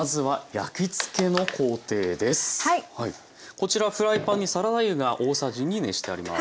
こちらフライパンにサラダ油が大さじ２熱してあります。